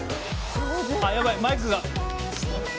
やばい、マイクが。